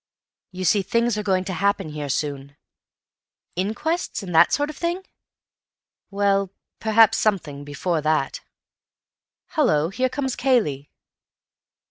You see, things are going to happen here soon." "Inquests and that sort of thing?" "Well, perhaps something before that. Hallo, here comes Cayley."